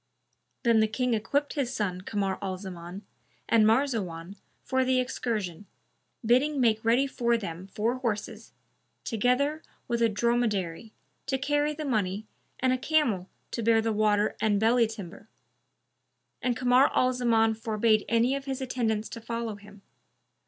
'"[FN#297] Then the King equipped his son Kamar al Zaman and Marzawan for the excursion, bidding make ready for them four horses, together with a dromedary to carry the money and a camel to bear the water and belly timber; and Kamar al Zaman forbade any of his attendants to follow him.